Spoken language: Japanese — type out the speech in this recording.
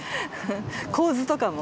構図とかも。